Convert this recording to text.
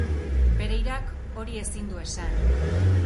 Pereirak hori ezin du esan.